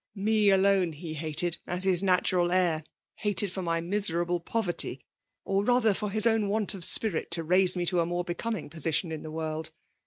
Me alone he hated^ as his natural heir ;. hated for my miserable poverty, or rather fiar his own want of spirit to raise me to a mate becoming position in the woiid.